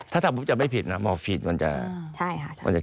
ถ้าทำปุ๊บจะไม่ผิดนะมอร์ฟีนมันจะใช่